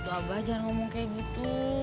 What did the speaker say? abah jangan ngomong kayak gitu